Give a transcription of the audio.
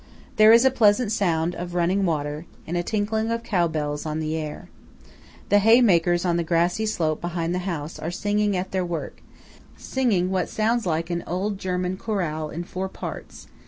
There is a pleasant sound of running water, and a tinkling of cow bells, on the air. The hay makers on the grassy slope behind the house are singing at their work–singing what sounds like an old German chorale, in four parts.